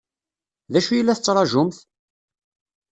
D acu i la tettṛaǧumt?